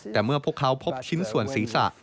แต่เมื่อพวกเขาพบชิ้นส่วนศีรษะ